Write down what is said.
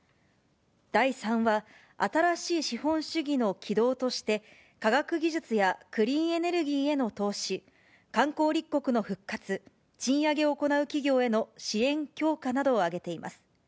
第３は、新しい資本主義の起動として、科学技術やクリーンエネルギーへの投資、観光立国の復活、賃上げを行う企業への支援強化などを挙げています。